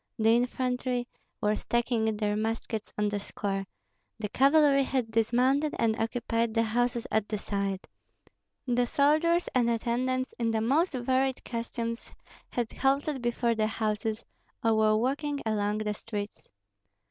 The infantry were stacking their muskets on the square; the cavalry had dismounted and occupied the houses at the side. The soldiers and attendants in the most varied costumes had halted before the houses, or were walking along the streets.